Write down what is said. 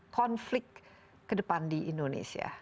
konflik ke depan di indonesia